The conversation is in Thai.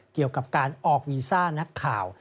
เกี่ยวกับการออกวีซ่านักข่าว